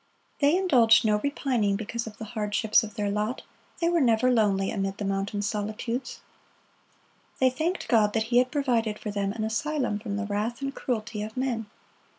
They indulged no repining because of the hardships of their lot; they were never lonely amid the mountain solitudes. They thanked God that He had provided for them an asylum from the wrath and cruelty of men.